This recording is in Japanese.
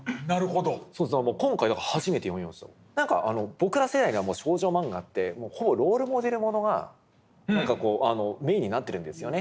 僕ら世代にはもう少女漫画ってほぼロールモデルものが何かこうメインになってるんですよね。